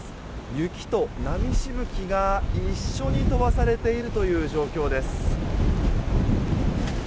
雪と波しぶきが一緒に飛ばされているという状況です。